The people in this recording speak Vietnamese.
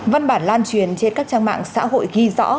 văn bản lan truyền trên các trang mạng xã hội ghi rõ